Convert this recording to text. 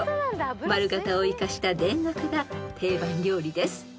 ［丸形を生かした田楽が定番料理です］